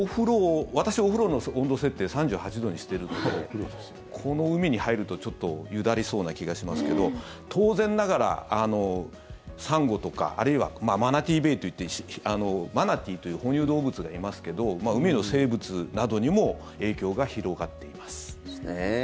私、お風呂の温度設定３８度にしているのでこの海に入ると、ちょっとゆだりそうな気がしますけど当然ながらサンゴとかあるいはマナティーベイといってマナティーという哺乳動物がいますけど海の生物などにも影響が広がっています。